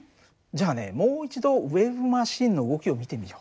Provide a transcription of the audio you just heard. じゃあねもう一度ウエーブマシンの動きを見てみよう。